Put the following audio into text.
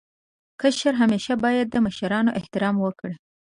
کشر همېشه باید د مشرانو احترام وکړي.